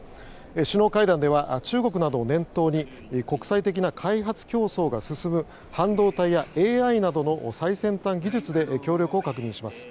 首脳会談では中国などを念頭に国際的な開発競争が進む半導体やＡＩなどの最先端技術で協力を確認します。